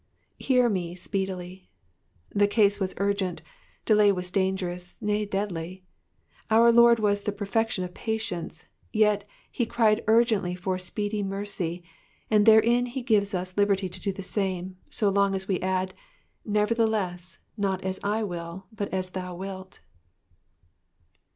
^^Hear me^ tpeedily.'^'' The case was urgent, delay was dangerous, »ay deadly. Our Lord was the perfection of patience, yet he cried urgently for speedy mercy ; and therein he gives us liberty to do the same, so long as we add, *' nevertheless, not as I will, but as thou wilt.